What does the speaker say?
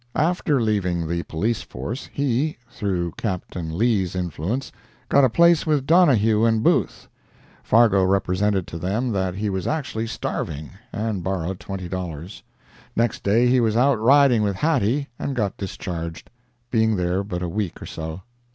After leaving the police force, he, through Captain Lees' influence, got a place with Donohue & Booth. Fargo represented to them that he was actually starving, and borrowed $20. Next day he was out riding with Hattie and got discharged, being there but a week or so.